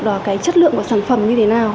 và cái chất lượng của sản phẩm như thế nào